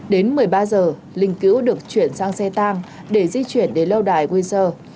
đến một mươi ba giờ linh cữu được chuyển sang xe tăng để di chuyển đến lâu đài windsor